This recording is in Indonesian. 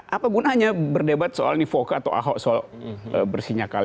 apa gunanya berdebat soal ini voka atau ahok soal bersihnya kali